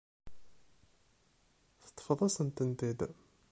Teṭṭfeḍ-asen-tent-id.